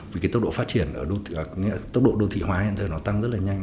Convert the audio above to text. vì cái tốc độ phát triển tốc độ đô thị hóa hiện giờ nó tăng rất là nhanh